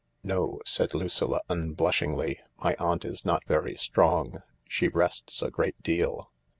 " No," said Lucilla unblushingly. " My aunt is not very strong. She rests a good deal.